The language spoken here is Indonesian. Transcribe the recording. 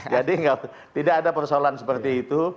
jadi tidak ada persoalan seperti itu